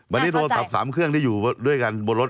วันนี้โทรศัพท์๓เครื่องที่อยู่ด้วยกันบนรถ